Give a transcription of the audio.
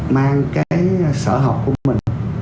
mang cái sở học của mình